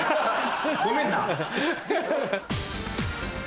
ごめんな。